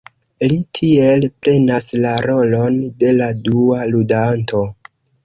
Li tiel prenas la rolon de la dua ludanto.